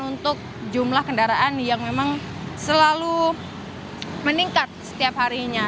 untuk jumlah kendaraan yang memang selalu meningkat setiap harinya